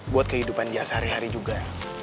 buat kehidupan biasa hari hari juga